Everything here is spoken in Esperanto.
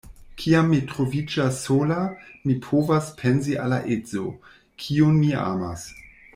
Kiam mi troviĝas sola, mi povas pensi al la edzo, kiun mi amas.